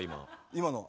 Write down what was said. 今の？